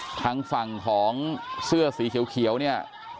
ทางฝั่งของเสื้อสีเขียวเนี่ย